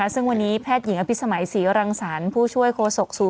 ซึ่งวันนี้แพทย์หญิงอภิษมัยศรีรังสรรค์ผู้ช่วยโฆษกศูน